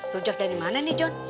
rujak dari mana nih john